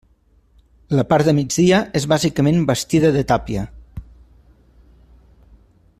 La part de migdia és bàsicament bastida de tàpia.